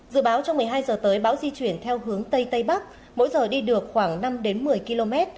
dự báo trong một mươi hai giờ tới bão di chuyển theo hướng tây tây bắc mỗi giờ đi được khoảng năm một mươi km